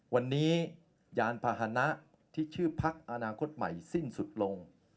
วันนี้ยานพาหนะที่ชื่อพักอนาคตใหม่สิ้นสุดลง